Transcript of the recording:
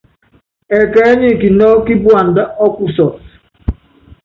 Ɛkɛɛ́ nyi kinɔ́kɔ́ kí puandá ɔ́kusɔtɔ.